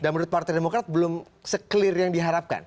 dan menurut partai demokrat belum se clear yang diharapkan